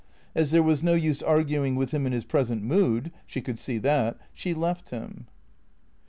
As there was no use arguing with him in his present mood (she could see that), she left him.